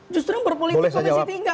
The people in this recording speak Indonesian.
justru berpolitik komisi tiga menurut saya